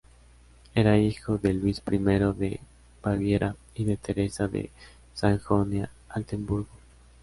Era hijo de Luis I de Baviera y de Teresa de Sajonia-Altenburgo.